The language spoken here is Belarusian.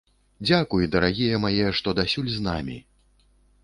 Дзякуй, дарагія мае, што дасюль з намі!